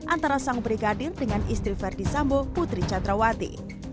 antara sang brigadir dengan istri verdi sambo putri candrawati